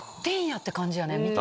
って感じやね。